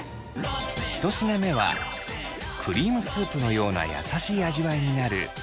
１品目はクリームスープのような優しい味わいになるバニラアイス。